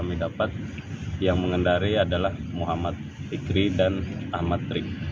kami dapat yang mengendari adalah muhammad fikri dan ahmad trik